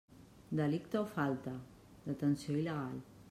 Delicte o falta: detenció il·legal.